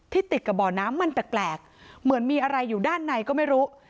ติดกับบ่อน้ำมันแปลกเหมือนมีอะไรอยู่ด้านในก็ไม่รู้